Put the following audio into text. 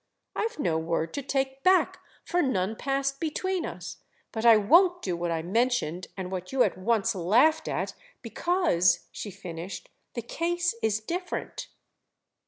"I've no word to take back, for none passed between us; but I won't do what I mentioned and what you at once laughed at Because," she finished, "the case is different."